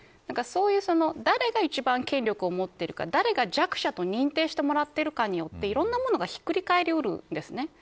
そういう、誰が一番権力を持っているか誰か弱者と認定してもらっているかによっていろんなものがひっくり返りうるんですね。